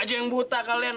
lo aja yang buta kalian